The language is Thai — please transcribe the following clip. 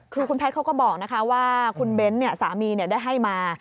คือคุณแพทย์เขาก็บอกนะคะว่าคุณเบ้นท์เนี่ยสามีเนี่ยได้ให้มา